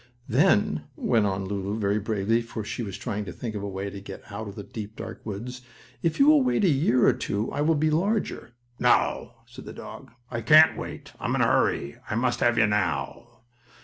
"Then," went on Lulu, very bravely, for she was trying to think of a way to get out of the deep, dark woods, "if you will wait a year or two, I will be larger." "No," said the dog. "I can't wait. I'm in a hurry. I must have you now."